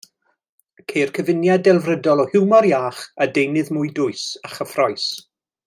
Ceir cyfuniad delfrydol o hiwmor iach a deunydd mwy dwys a chyffrous.